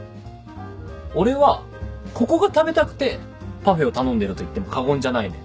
俺はここが食べたくてパフェを頼んでると言っても過言じゃないね。